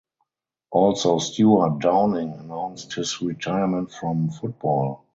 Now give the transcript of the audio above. Also Stewart Downing announced his retirement from football.